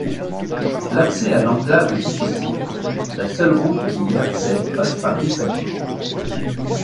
L'accès à l'enclave est difficile, la seule route qui y accède passe par l'Italie.